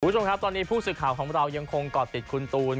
คุณผู้ชมครับตอนนี้ผู้สื่อข่าวของเรายังคงก่อติดคุณตูน